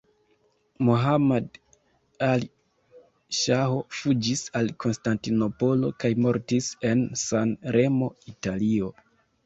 Mohammad Ali Ŝaho fuĝis al Konstantinopolo kaj mortis en San-Remo, Italio.